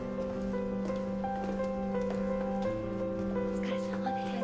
お疲れさまです。